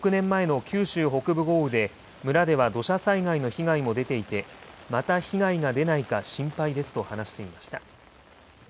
６年前の九州北部豪雨で、村では土砂災害の被害も出ていて、また被害が出ないか心配ですと話していました。